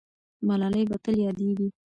ملالۍ به تل یادېږي.